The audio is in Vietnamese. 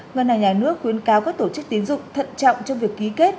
ngân hàng nhà nước khuyến cáo các tổ chức tiến dụng thận trọng trong việc ký kết